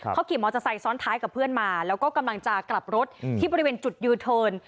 เขาขี่มอเตอร์ไซค์ซ้อนท้ายกับเพื่อนมาแล้วก็กำลังจะกลับรถที่บริเวณจุดยูเทิร์น